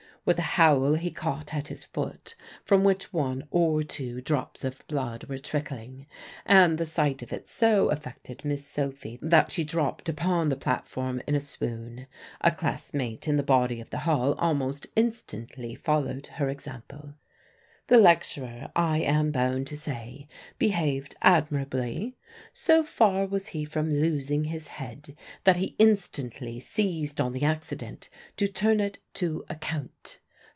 With a howl he caught at his foot, from which one or two drops of blood were trickling. And the sight of it so affected Miss Sophy that she dropped upon the platform in a swoon. A class mate in the body of the hall almost instantly followed her example. The lecturer, I am bound to say, behaved admirably. So far was he from losing his head, that he instantly seized on the accident to turn it to account.